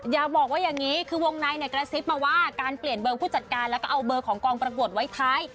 อย่าบอกว่าอย่างนี้คือวงในเนี่ยกระซิบมาว่าการเปลี่ยนเบอร์ผู้จัดการแล้วก็เอาเบอร์ของกองประกวดไว้ท้าย